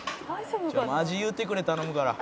「マジ言うてくれ頼むから」